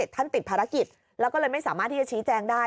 ติดภารกิจแล้วก็เลยไม่สามารถที่จะชี้แจงได้